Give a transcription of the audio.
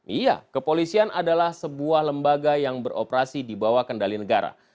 iya kepolisian adalah sebuah lembaga yang beroperasi di bawah kendali negara